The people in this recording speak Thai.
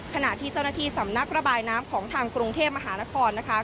ขณะที่เจ้าหน้าที่สำนักระบายน้ำของทางกรุงเทพมหานครนะคะ